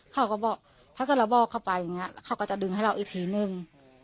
เขาก็บอกถ้าเราบอกเข้าไปเขาก็จะดึงให้เราอีกสี่หนึ่ง